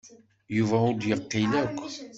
Yuba ur d-yeqqil akk.